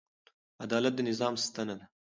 عدالت د نظام ستنه ده.